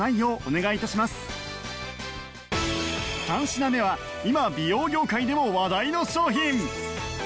３品目は今美容業界でも話題の商品！